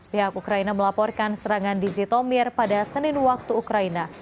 pihak ukraina melaporkan serangan di zitomir pada senin waktu ukraina